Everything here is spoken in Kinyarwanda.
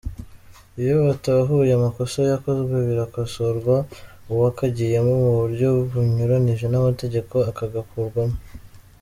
Iyo butahuye amakosa yakozwe birakosarwa, uwakagiyemo mu buryo bunyuranije n’amategeko akagakurwamo.